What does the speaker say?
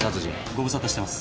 ご無沙汰してます。